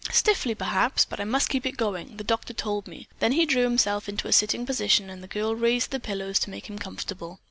Stiffly, perhaps, but I must keep it going, the doctor told me." Then he drew himself into a sitting position and the girl raised the pillows to make him comfortable.